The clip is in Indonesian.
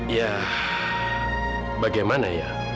ya bagaimana ya